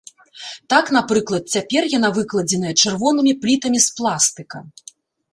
Так, напрыклад, цяпер яна выкладзеная чырвонымі плітамі з пластыка.